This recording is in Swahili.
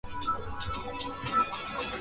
watu wengi wanafariki kutokana na athari za ukimwi